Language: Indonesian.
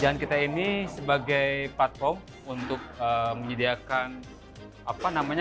jalan kita ini sebagai platform untuk menyediakan